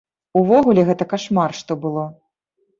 Увогуле, гэта кашмар, што было.